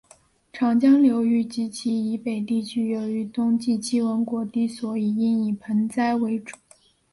长江流域及其以北地区由于冬季气温过低所以应以盆栽为主。